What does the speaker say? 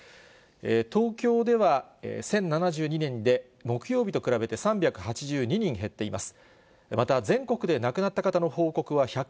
東京では１０７２人で、木曜日と比べて３８２人減っています。